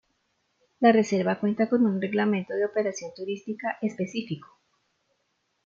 La reserva cuenta con un Reglamento de Operación Turística específico.